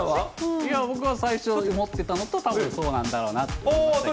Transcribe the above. いや、僕は最初思ってたのと、たぶんそうなんだろうなっていうので。